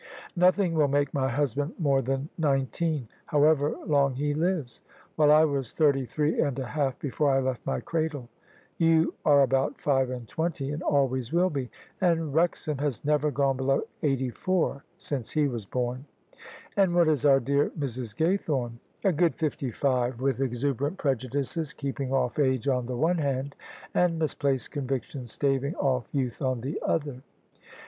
Nothing will make my husband more than nineteen, however long he lives: while I was thirty three and a half before I left my cradle. You are about five and twenty, and always will be: and Wrexham has never gone below eighty four since he was born." "And what is our dear Mrs. Gaythome?" " A good fifty five, with exuberant prejudices keeping off age on the one hand, and misplaced conviction staving off youth on the other."